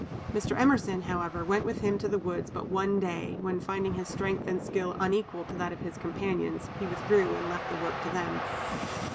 Mr. Emerson, however, went with them to the woods but one day, when finding his strength and skill unequal to that of his companions, he withdrew, and left the work to them.